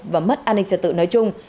và mất an ninh trật tự nói chung